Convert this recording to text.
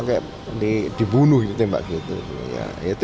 dan apakah hukuman seumur hidup itu